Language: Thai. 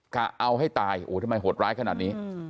กะเอาให้ตายโอ้ทำไมโหดร้ายขนาดนี้